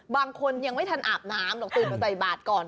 บางคนยังไม่ทันอาบน้ำหรอกตื่นมาใส่บาทก่อน